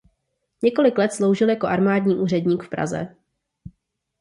Několik let sloužil jako armádní úředník v Praze.